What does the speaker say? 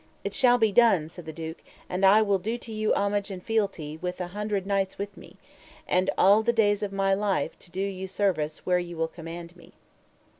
It shall be done, said the duke, and I will do to you homage and fealty with an hundred knights with me; and all the days of my life to do you service where ye will command me.